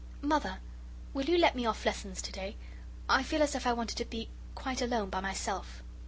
Mother, will you let me off lessons to day? I feel as if I wanted to be quite alone by myself."